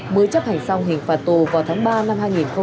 mới chấp hành xong hình phạt tù vào tháng ba năm hai nghìn hai mươi